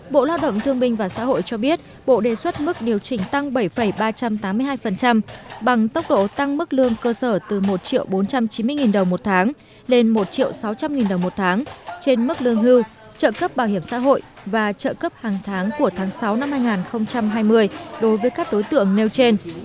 bộ lao động thương minh và xã hội cho biết bộ đề xuất mức điều chỉnh tăng bảy ba trăm tám mươi hai bằng tốc độ tăng mức lương cơ sở từ một bốn trăm chín mươi đồng một tháng lên một sáu trăm linh đồng một tháng trên mức lương hưu trợ cấp bảo hiểm xã hội và trợ cấp hàng tháng của tháng sáu năm hai nghìn hai mươi đối với các đối tượng nêu trên